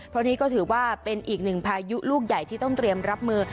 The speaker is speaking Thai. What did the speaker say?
เพราะว่าเป็นอีกนึงพายุลูกใหญ่ที่ต้องเตรียมรับมือ